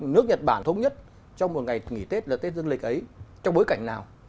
nước nhật bản thống nhất trong một ngày nghỉ tết là tết dương lịch ấy trong bối cảnh nào